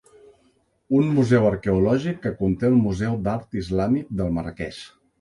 Un museu arqueològic, que conté el Museu d'Art Islàmic de Marràqueix.